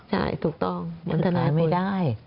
ใช่ถูกต้องมันทนายไม่ได้